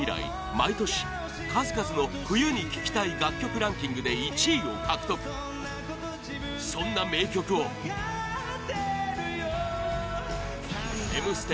毎年、数々の冬に聴きたい楽曲ランキングで１位を獲得そんな名曲を「Ｍステ」